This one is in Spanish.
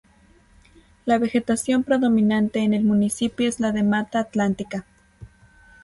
La vegetación predominante en el municipio es la de Mata Atlántica.